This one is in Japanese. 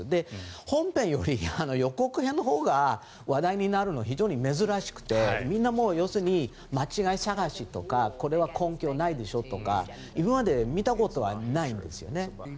本編より予告編のほうが話題になるのは非常に珍しくてみんな要するに間違い探しとかこれは根拠ないでしょとか今まで見たことはないんですね。